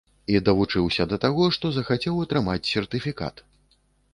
І давучыўся да таго, што захацеў атрымаць сертыфікат.